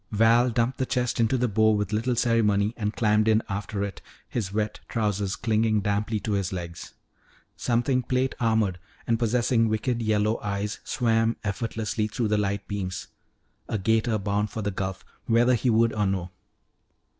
Val dumped the chest into the bow with little ceremony and climbed in after it, his wet trousers clinging damply to his legs. Something plate armored and possessing wicked yellow eyes swam effortlessly through the light beam a 'gator bound for the Gulf, whether he would or no.